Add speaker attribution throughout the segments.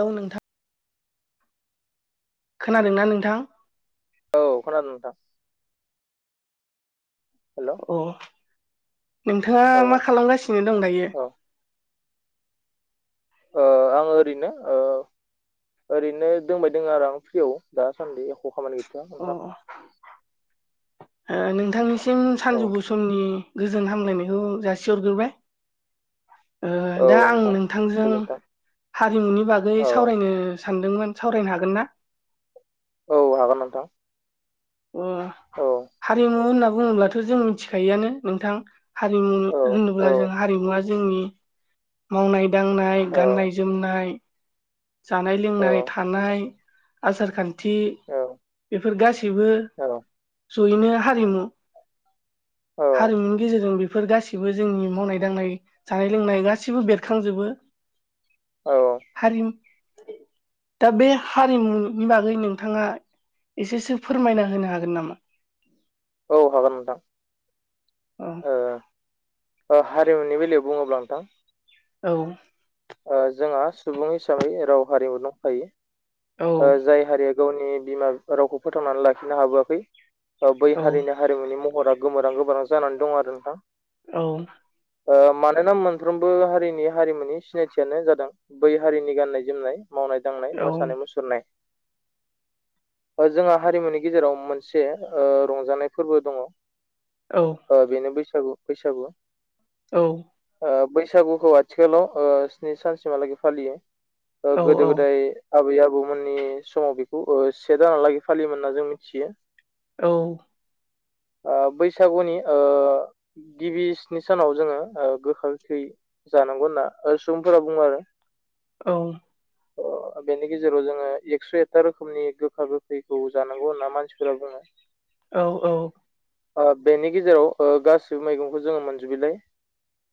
Speaker 1: औ नोंथां। खोनादोंना नोंथां?
Speaker 2: औ खोनादों नोंथां। हेल' औ
Speaker 1: अ नोंथाङा
Speaker 2: औ
Speaker 1: मा खालामगासिनो दं दायो
Speaker 2: ओ आं ओरैनो ओ ओरैनो दोंबाय दङ आरो आं फ्रियाव दासान्दि एख' खामानि गैथआ
Speaker 1: अ
Speaker 2: नोंथां
Speaker 1: ओ नोंथांनिसिम
Speaker 2: औ
Speaker 1: सानजौफु समनि गोजोन हामलायनायखौ जासिहरगोरबाय ओ दा
Speaker 2: औ
Speaker 1: आं
Speaker 2: नोंथां
Speaker 1: नोंथांजों
Speaker 2: गोजोन्थों
Speaker 1: हारिमुनि बागै
Speaker 2: औ
Speaker 1: सावरायनो सानदोंमोन सावरायनो हागोन ना
Speaker 2: औ हागोन नोंथां
Speaker 1: अ
Speaker 2: औ
Speaker 1: हारिमु होनना बुङोब्लाथ' जों मिथिखायोआनो नोंथां हारिमु
Speaker 2: औ औ
Speaker 1: होनोब्ला जों हारिमुवा जोंनि मावनाय दांनाय
Speaker 2: औ
Speaker 1: गाननाय जोमनाय जानाय
Speaker 2: औ
Speaker 1: लोंनाय थानाय आसार खान थि बेफोर गाससिबो
Speaker 2: औ
Speaker 1: जयैनो हारिमु हारिमुनि गेजेरजों बे फोर गासौबो जोंनि मावनाय दांनाय जानाय लोंनाय गासिबो बेरखांजोबो
Speaker 2: औ
Speaker 1: हारिमु दा बे हारिमुनि बागै नोंथाङा एसेसो फोरमायना होनो हागोन नामा
Speaker 2: औ हागोन नोंथां
Speaker 1: औ
Speaker 2: अ हारिमुनि बेलायाव बुङोब्ला नोंथां
Speaker 1: औ
Speaker 2: ओ जोंहा सुबुं हिसाबै राव हारिमु दंखायो
Speaker 1: औ
Speaker 2: ओ जाय हारिया गावनि बिमा बिफा रावखौ फोथांनानै लाखिनो हाबोआखै ओ बै
Speaker 1: औ
Speaker 2: हारिनि हारिमुनि महरा गोमोरहां गोमोरहां जानानै दं आरो नोंथां
Speaker 1: औ
Speaker 2: ओ मानोना मोनफ्रोमबो हारिनि हारिमुनि सिनायथियानो जादों बै हारिनि गाननाय जोमनाय मावनाय दांनाय
Speaker 1: औ
Speaker 2: मोसानाय मुसुरनाय ओ जोंहा हारिमुनि गेजेराव मोनसे ओ रंजानाय फोरबो दङ
Speaker 1: औ
Speaker 2: ओ बेनो बैसागु बैसागु
Speaker 1: औ
Speaker 2: ओ बैसागुखौ आथिखालाव ओ स्नि सानसिमहालागै फालियो ओ गोदो गोदाय आबै आबौमोननि समाव बेखौ ओ से दानालागै फालियोमोन होनना जों मिथियो
Speaker 1: औ
Speaker 2: अ बैसागुनि ओ गिबि स्नि सानाव जोंङो ओ गोखा गोखै जानाय नंगौ ना अ सुबुंफोरा बुङो आरो
Speaker 1: औ
Speaker 2: अ बेनि गेजेर जोंङो एकस' एकथा रोखोमनि गोखा गोखैखौ जानांगौ होनना मानसिफोरा बुंङो
Speaker 1: औ औ
Speaker 2: अ बेनि गेजेराव ओ गासिबो मैगंखौ जोंङो मोनजोबैलाय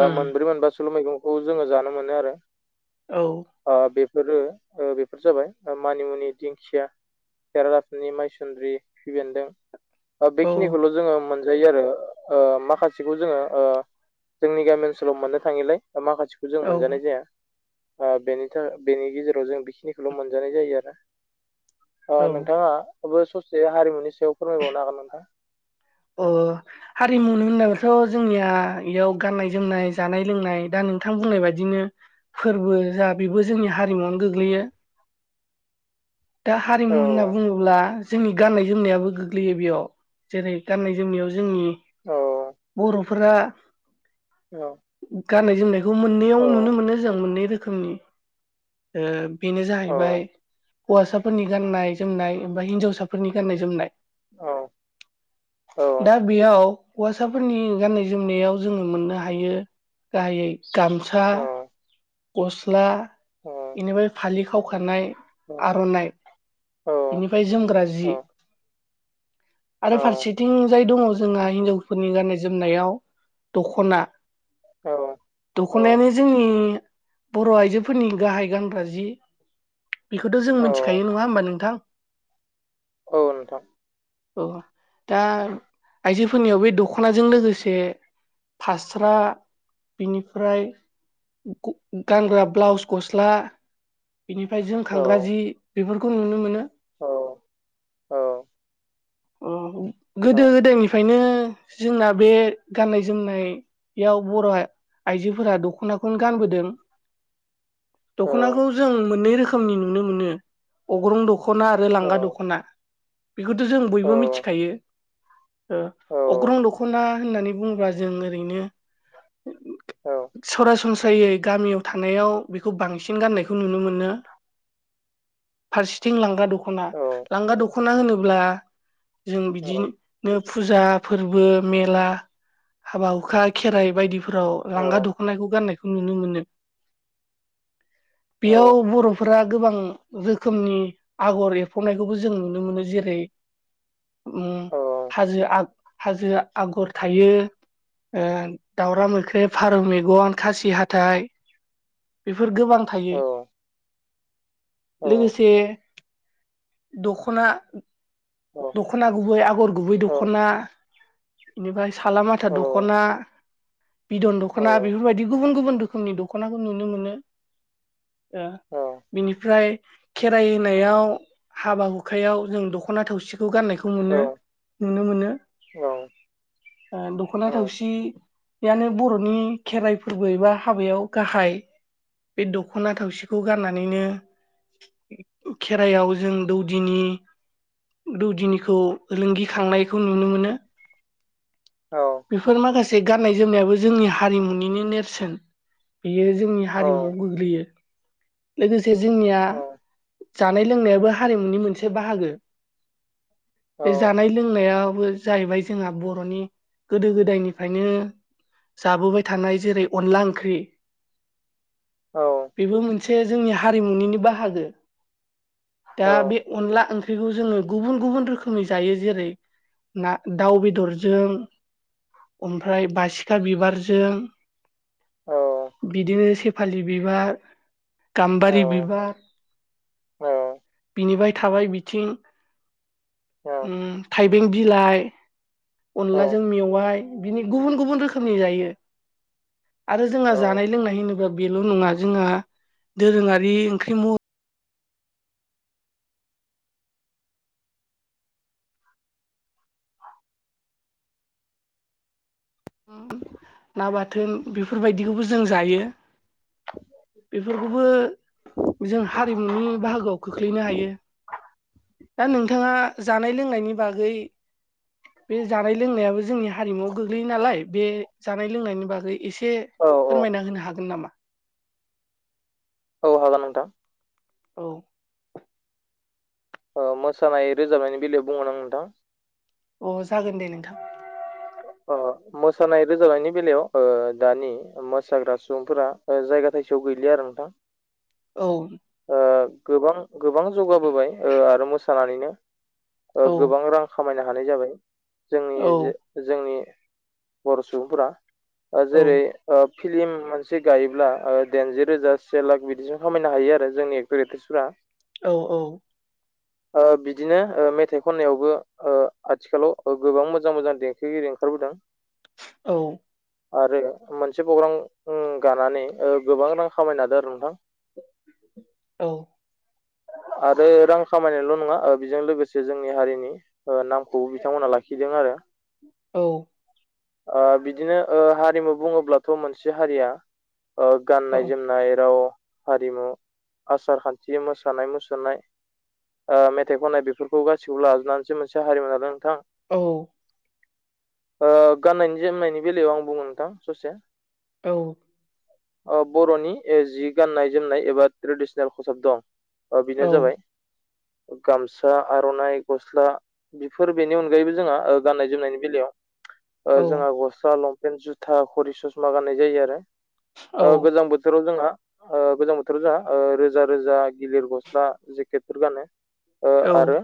Speaker 2: ओ
Speaker 1: उम
Speaker 2: मोनब्रै मोनब सल' मैगंखौ जोङो जानो मोनो आरो
Speaker 1: औ
Speaker 2: ओ बे फोरो ओ बे फोर जाबाय मानिमुनि दिंखिया खेरादाफिनि माइसुन्द्रि खिफिबेन्दों अ
Speaker 1: औ
Speaker 2: बेखिनिखौल' जोङो मोन जायो आरो ओ माखासेखौ जोङो ओ जोंनि गामि ओनसोलाव मोननो थाङिलाय माखासेखौ जों
Speaker 1: औ
Speaker 2: मोनजानाय जाया ओ बेनि थाखाय बेनि गेजेराव जों बेखिनि ल' मोनजानाय जायो आरो अ
Speaker 1: औ
Speaker 2: नोंथाङा बो ससे हारिमुनि सायाव फोरमायबावनो हागोन नोंथां?
Speaker 1: अह, हारिमुनो होननाबाथ' जोंनिया इयाव गाननाय जोमनाय जानाय लोंनाय दा नोंथां बुंनाय बादिनो फोरबो जा बेबो जोंनि हारिमुवावनो गोग्लैयो। दा हारिमु
Speaker 2: औ
Speaker 1: होनना बुंङोब्ला जोंनि गाननाय जोमनायाबो गोग्लौयो बेयाव। जेरै गाननाय जोमनायाव जोंनि
Speaker 2: औ
Speaker 1: बर' फोरा
Speaker 2: औ।
Speaker 1: गाननाय जोमनायखौ मोननैयाव
Speaker 2: औ
Speaker 1: नुनो मोनो जों, मोननै रोखोमनि। बेनो
Speaker 2: औ
Speaker 1: जाहैबाय हौवासाफोरनि गाननाय जोमनाय ओमफाय हिनजावसाफोरनि गाननाय जोमनाय।
Speaker 2: औ औ
Speaker 1: दा बेयाव हौवासाफोरनि गाननाय जोमनायाव जोङो मोननो हायो गाहायै गामसा, गस्ला इनिफाय फालि खावखानाय,
Speaker 2: औ
Speaker 1: आर'नाइ, इनिफाय जोमग्रा जि। आरो फारसेथिंजाय दङ जोंहा हिनजावफोरनि गाननाय जोमनायाव दख'ना।
Speaker 2: औ औ
Speaker 1: दख'नायानो जोंनि बर' आइजोफोरनि गाहाय गानग्रा जि। बेखोथ' जों
Speaker 2: औ
Speaker 1: मिन्थिखायो नङा होमबा नोंथां?
Speaker 2: औ नोंथां
Speaker 1: अह। दा आइजोफोरनियाव बै दख'नाजों लोगोसे फास्रा बिनिफ्राय ग-गानग्रा ब्लाउस गस्ला बेनिफ्राय
Speaker 2: औ
Speaker 1: जोमखांग्रा जि। बेफोर खौ नुनो मोनो।
Speaker 2: औ औ।
Speaker 1: अह,
Speaker 2: औ
Speaker 1: गोदो ओदायनिफायनो जोंना बे गाननाय जोमनाय याव बर' आ-आइजोफोरा दख'नाखौनो गानबोदों। दखनाखौ जों मोननै रो खोमनि नुनो मोनो। अग्रं दख'ना आरो लांगा दख'ना। बेखोथ' जों बयबो मिथिखायो। ओ अग्रं दख'ना होननानै बुङोबा जों ओरैनो सरास यै गामियाव थानायाव बेखौ बांसिन गाननायखौ नुनो मोनो। फारसेथिं लांगा द खना। लांगा दख'ना होनोब्ला जों
Speaker 2: औ
Speaker 1: बिदिनो फुजा, फोरबो, मेला हाबा हुखा, खेराइ बायदिफोराव लांगा दख'नाखौ गान्नायखौ नुनो मोनो। बेयाव बर'फोरा गोबां रोखोमनि आगर एरफबनायखौबो जों नुनो मोनो जेरै ओम हाजो आ हाजो आ आगर थायो। ओ दाउरा मोख्रेब, फारौ मेगन, खासि हाथाय बेफोर गोबां
Speaker 2: औ
Speaker 1: थायो।
Speaker 2: औ औ
Speaker 1: लोगोसे दख'ना
Speaker 2: औ
Speaker 1: दख'ना गुबै, आगर गुबै
Speaker 2: औ
Speaker 1: दख'ना। इनिफाय सालामाथा
Speaker 2: औ
Speaker 1: दख'ना। बिदन
Speaker 2: औ
Speaker 1: दख'ना बेफोरबायदि गुबुन गुबुन रोखोमनि दख'नाखौ नुनो मोनो। ओ।
Speaker 2: औ
Speaker 1: बिनिफ्राय खेराइ होनायाव, हाबा हुखायाव जों दख दख'ना थावसिखौ गाननायखौ
Speaker 2: औ
Speaker 1: मोनो नुनो मोनो। ओ दख'ना थावसि यानो बर'नि खेराइ फोरबो एबा हाबायाव गाहाइ। बे दख'ना थावसिखौ गाननानैनो खेरायाव जों दौदिनि दौदिनिखौ ओलोंगिखांनायखौ नुनो मोनो।
Speaker 2: औ
Speaker 1: बेफोर माखासे गाननाय जोमनायाबो जोंनि हारिमुनिनो नेरसोन बेयो जोंनि हारिमुआव गोग्लैयो लोगोसे जोंनिया जानाय लोंनायाबो हारिमुनि मोनसे बाहागो
Speaker 2: औ
Speaker 1: बे जानाय लोंनायाबो जाहैबाय जोंहा बर'नि गोदो गोदायनिफ्रायनो जाबोबाय थानाय जेरै अनला ओंख्रि बेबो मोनसे जोंनि हारिमुनिनो बाहागो। दा बे अनला ओंख्रि ओंख्रिखौ जोङो गुबुन गुबुन रोखोमनि जायो जेरै ना दाउ बेदरजों उमफ्राय बासिखा बिबारजों बिदिनो सेफालि बिबार गाम्बारि बिबार बिनिफ्राय थाबाय बिथिं उम थाइबें बिलाइ अनलाजों मेवाइ बिनि गुबुन गुबुन रोखोमनि जायो। आरो जोंहा जानाय लोंनाय होनोबा बेल' नङा जोंहा दोरोङारि ओंख्रि म
Speaker 2: [inaudible]
Speaker 1: ना बाथोन बेफोरबायदिखौबो जों जायो। बेफोरखौबो जों हारिमुनि बाहागोआव खोख्लैनो हायो। दा नोंथाङा जानाय लोंनायनि बागै बे जानाय लोंनायाबो जोंनि हारिमुवआव गोग्लैयो नालाय बे जानाय लोंनायनि बागै एसे
Speaker 2: औ
Speaker 1: फोरमायना होनो हागोन नामा?
Speaker 2: औ हागोन नोंथां।
Speaker 1: औ
Speaker 2: ओ मोसानाय रोजाबनायनि बेलायाव बुंगोन आं नोंथां।
Speaker 1: अ जागोन दे नोंथां।
Speaker 2: ओ मोसानाय रोजाबनायनि बेलायाव ओ दानि मोसाग्रा सुबुंफोरा जायगा थाइ सेआव गैलिया आरो नोंथां।
Speaker 1: औ।
Speaker 2: ओ गोबां गोबां जौगाबोबाय ओ आरो मोसानानैनो ओ
Speaker 1: औ
Speaker 2: गोबां रां खामायनो हानाय जाबाय जोंनि
Speaker 1: औ
Speaker 2: जे जोंनि बर' सुबुंफोरा ओ जेरै ओ। फिलिम मोनसे गायोब्ला ओ दाइनजि रोजा से लाख बिदिसिम खामायनो हायो आरो जोंनि एक्टर एक्ट्रिसफ्रा
Speaker 1: औ औ।
Speaker 2: ओ बिदिनो ओ मेथाइ खननायावबो ओ आथिखालाव ओ गोबां मोजां मोजां दें थिगिरिआव ओंखारबोदों
Speaker 1: औ।
Speaker 2: आरो मोनसे प्रग्राम उम गानानै ओ गोबां रां खामायनो हादों आरो नोंथां
Speaker 1: औ।
Speaker 2: आरो रां खामायनायल' नङा ओ बेजों लोगोसे जोंनि हारिनि ओ नामखौबो बिथांमोना लाखिदों आरो।
Speaker 1: औ।
Speaker 2: ओ बिदिनो ओ हारिमु बुङोब्लाथ' मोनसे हारिया ओ
Speaker 1: औ
Speaker 2: गाननाय जोमनाय राव हारिमु आसार खान्थि मोसा जामोसानाय मुसुरनाय ओ मेथाइ खननाय बेफोरखौ गासिखौबो लाजोबनानैसो मोनसे हारिमु लादों नोंथां।
Speaker 1: औ।
Speaker 2: ओ गाननायनि जोमनायनि बेलायाव आं बुङो नोंथां ससे
Speaker 1: औ।
Speaker 2: ओ बर'नि ए जि गाननाय जोमनाय एबा ट्रेडिसनेल खसाब दं। अ बेनो जाबाय
Speaker 1: [inaudible]
Speaker 2: गामसा आर'नाइ गस्ला बेफोर बेनि अनगायैबो जोंहा ओ गाननाय जोमनायनि बेलायाव
Speaker 1: औ
Speaker 2: ओ जोंहा
Speaker 1: औ
Speaker 2: गस्ला लंपेन्ट जुथा खरि ससमा गाननाय जायो आरो ओ
Speaker 1: औ
Speaker 2: गोजां बोथोराव जोंहा ओ गोजां बोथोराव जोंहा ओ रोजा रोजा गिलिर गस्ला जेकेटफोर गानो ओ आरो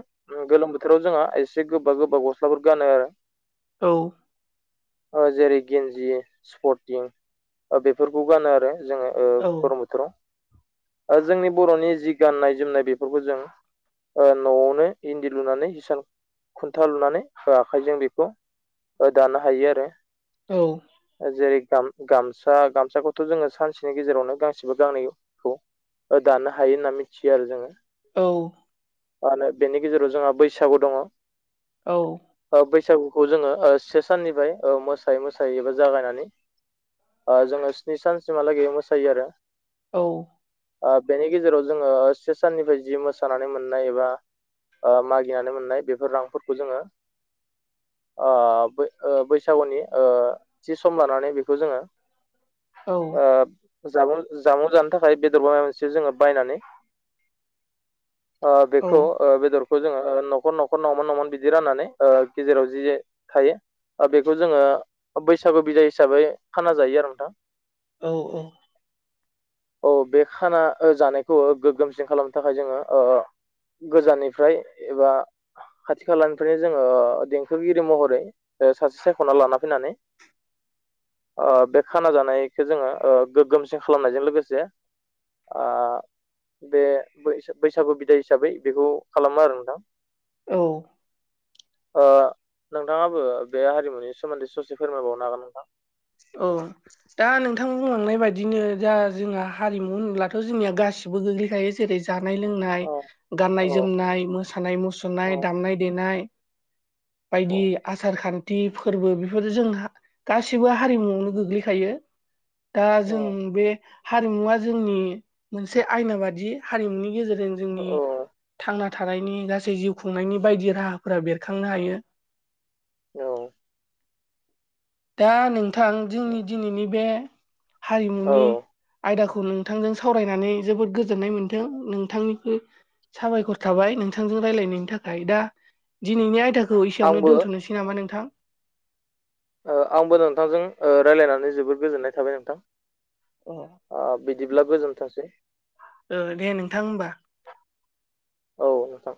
Speaker 2: गोलोम बोथोर थोराव जोंहा एसे गोबा गोबा गस्लाफोर गानो
Speaker 1: औ
Speaker 2: ओ जेरै गेन्जि स्पर्टिं ओ बेफोरखौ गानो आरो जोङो ओ गरम बोथोराव ओ जोंनि बर'नि जि गाननाय जोमनाय बेफोरखौ जों ओ न'आवनो इन्दि लुनानै हिसाल खुन्था लुनानै होआखाय जों बेखौ ओ दानो हायो आरो जेरै गाम-गामसा गामसाखौथ' जोङो सानसेनि गेजेरावनो गांसेबा गांनैखौ दानो हायो होनना मिथियो आरो जोङो
Speaker 1: औ।
Speaker 2: [unintelligible] बेनि गेजेराव जोंहा बैसागु दङ बैसागु खौ जोङो से साननिफ्राय मोसायै मोसायै एबा जागायनानै जोङो स्नि सानसिमहालागै मोसायो आरो
Speaker 1: औ
Speaker 2: बेनि गेजेराव जोङो से साननिफ्राय जि मोसानानै मोननाय एबा ओ मागिनानै मोननाय बेफोर रांफोरखौ जोङो आ ओ बैसागुनि ओ थि सम लानानै बेखौ जोङो
Speaker 1: [inaudible]
Speaker 2: जामुं जामुं जानो थाखाय बेदर बा माबा मोनसे जोङो बायनानै ओ बेखौ ओ बेदर खौ जोङो न'खर न'खर नंमोन नंमोन बिदि राननानै गेजेराव जि थायो बेखौ जोङो बैसागु बिजदाय हिसाबै खाना जायो आरो नोंथां
Speaker 1: औ औ
Speaker 2: औ बे खाना जानायखौ गोग्गोमसिन खालामनो थाखाय जोङो ओ गोजाननिफ्राय एबा खाथि खालानिफ्रायनो जोङो देंखोगिरि महरै सासे सायख'ना लाना फैनानै
Speaker 1: [inaudible]
Speaker 2: ओ बे खाना जानायखौ ओ जोङो गोगोमसिन खालामनायजों लोगोसे आ बे बैसागु बिदाय हिसाबै बेखौ खालामो आरो नोंथां
Speaker 1: औ
Speaker 2: ओ नोंथाङाबो बे हारिमुनि सोमोन्दै ससे फोरमायबावनो हागोन नोंथां?
Speaker 1: औ दा नोंथां बुंलांनाय बायदिनो दा जोंहा हारिमु होनोब्लाथ' जोंनिया गासिबो गोग्लैखायो जेरै जों जानाय लोंनाय
Speaker 2: औ औ
Speaker 1: गाननाय जोमनाय मोसानाय मुसुरनाय
Speaker 2: औ
Speaker 1: दामनाय देनाय बायदि
Speaker 2: औ
Speaker 1: आसार खान्थि फोरबो बेफोर जों गासिबो हारिमुआवनो गोग्लैखायो दा जों बे हारिमुवा जोंनि मोनसे आयना बादि हारिमुनि गेजेरजों
Speaker 2: औ
Speaker 1: जोंनि थांनानै थानायनि गासै जिउ खुंनायनि बायदि राहाफोरा बेरखांनो हायो
Speaker 2: औ
Speaker 1: दा नोंथां जोंनि दिनैनि बे
Speaker 2: औ
Speaker 1: हारिमुनि आयदाखौ खौ नोंथांजों सावरायनानै जोबोद गोजोननाय मोन्दों नोंथांनिसिम साबायखर थाबाय नोंथांजों रायलायनायनि थाखाय दा दिनैनि आयदाखौ एसेयावनो
Speaker 2: आंबो
Speaker 1: दोनथ'नोसै नामा नोंथां?
Speaker 2: आंबो नोंथांजों रायज्लायनानै जोबोद गोजोननाय थाबाय नोंथां
Speaker 1: अ
Speaker 2: ओ बि बिदिब्ला गोजोनथोंसै
Speaker 1: ओ दे नोंथां होमबा।
Speaker 2: औ नोंथां।